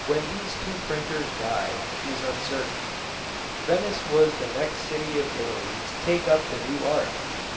When these two printers died is uncertain. Venice was the next city of Italy to take up the new art.